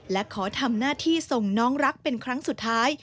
และขอทำหน้าที่ส่งน้องรักเป็นครั้งสุดท้าย